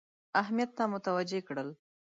اهمیت ته متوجه کړل.